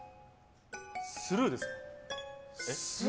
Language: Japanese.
スルーですか？